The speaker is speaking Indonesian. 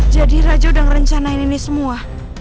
jadi raja udah ngerencanain ini semua